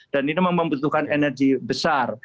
dan ini membutuhkan energi besar